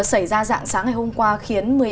xảy ra dạng sáng ngày hôm qua khiến